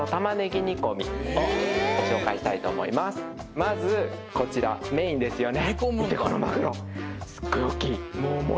まずこちらメインですよね